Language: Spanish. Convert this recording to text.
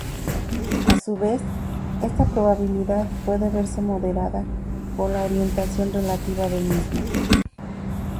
A su vez, esta probabilidad puede verse moderada por la orientación relativa del mismo.